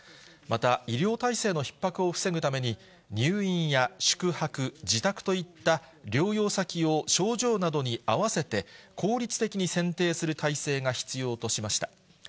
また医療体制のひっ迫を防ぐために、入院や宿泊、自宅といった、療養先を症状などに合わせて効率的に選定する体制が必要としました。